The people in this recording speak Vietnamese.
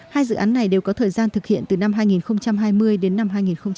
hai dự án này đều có thời gian thực hiện từ năm hai nghìn hai mươi đến năm hai nghìn hai mươi